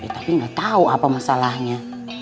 tapi gak tau apa masalahnya